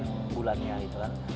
bulannya gitu kan